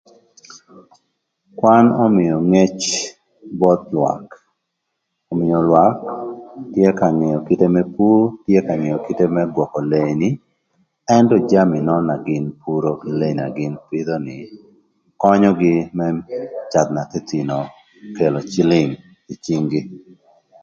Kwan ömïö ngec both lwak, ömïö lwak tye ka ngeo kite më pur, tye ngeo kite më gwökö leeni ëntö jami nön na gïn puro, leeni na gïn pïdhö ni könyögï më can na thïthïnö kelo cïlïng ï cïng-gï.